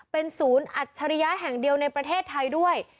เป็นศูนย์อัจฉริยะแห่งเดียวในประเทศไทยด้วย